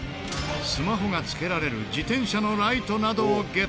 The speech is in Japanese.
スマホが付けられる自転車のライトなどをゲット。